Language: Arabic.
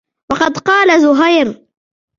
وَقَدْ قَالَ زُهَيْرٌ